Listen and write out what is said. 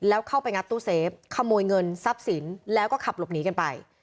แล้วเข้าไปงัดตู้เซฟขโมยเงินทรัพย์สินแล้วก็ขับหลบหนีกันไป